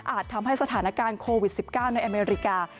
ทำให้สถานการณ์โควิด๑๙ในอเมริกา